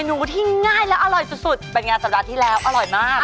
ง่ายแล้วอร่อยสุดเป็นงานสัปดาห์ที่แล้วอร่อยมาก